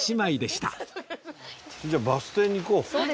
じゃあバス停に行こう。